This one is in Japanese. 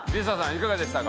いかがでしたか？